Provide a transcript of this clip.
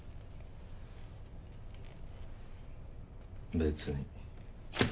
別に。